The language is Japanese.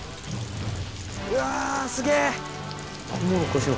うわすげぇ。